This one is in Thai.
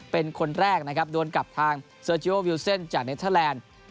เป็นคนแรกโดนกลับทางเซอร์เจียลวิลเซ็นต์จากเน็ตเทอร์แลนด์